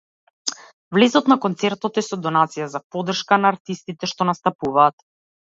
Влезот на концертот е со донација за поддршка на артистите што настапуваат.